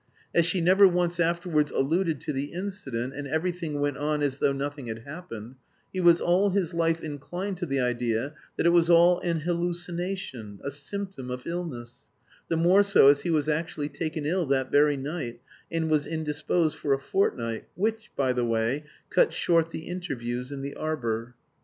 As she never once afterwards alluded to the incident and everything went on as though nothing had happened, he was all his life inclined to the idea that it was all an hallucination, a symptom of illness, the more so as he was actually taken ill that very night and was indisposed for a fortnight, which, by the way, cut short the interviews in the arbour.